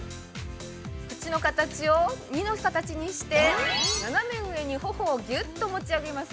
口の形をニの形にして、斜め上に頬をギュッと持ちあげます。